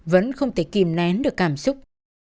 vẫn không thể kìm nén được cảm xúc